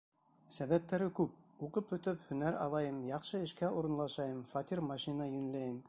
Сәбәптәре күп: уҡып бөтөп, һөнәр алайым, яҡшы эшкә урынлашайым, фатир-машина йүнләйем...